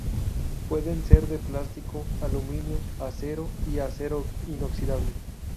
Pueden ser de plástico, aluminio, acero y acero inoxidable.